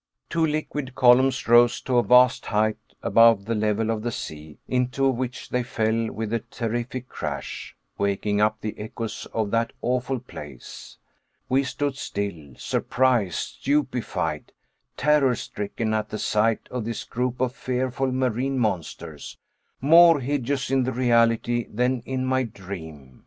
Two liquid columns rose to a vast height above the level of the sea, into which they fell with a terrific crash, waking up the echoes of that awful place. We stood still surprised, stupefied, terror stricken at the sight of this group of fearful marine monsters, more hideous in the reality than in my dream.